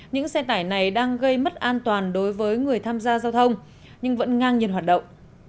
những xe tải này đang gây mất an toàn đối với người tham gia giao thông nhưng vẫn ngang nhiên hoạt động